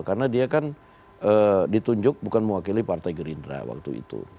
karena dia kan ditunjuk bukan mewakili partai gerindra waktu itu